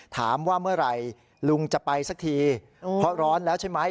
ถามว่าเมื่อไหร่ลุงจะไปสักทีเพราะร้อนแล้วใช่ไหม